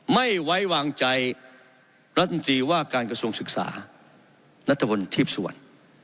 ไม่ไว้วางใจรัฐมนตรีว่าการกระทรวงศึกษานัทพลทีพสุวรรณ